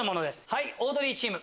はいオードリーチーム。